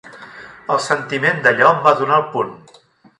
El sentiment d"allò em va donar el punt.